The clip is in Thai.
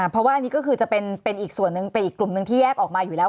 เพราะว่าอันนี้ก็คือจะเป็นอีกกลุ่มนึงที่แยกออกมาอยู่แล้ว